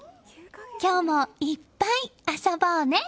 今日もいっぱい遊ぼうね！